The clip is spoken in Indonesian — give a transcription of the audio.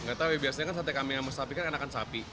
enggak tahu ya biasanya kan sate kambing sama sapi kan enakan sapi